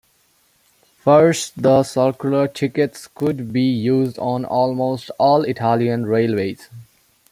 First, the circular tickets could be used on almost all Italian railways.